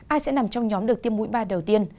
ai sẽ nằm trong nhóm được tiêm mũi ba đầu tiên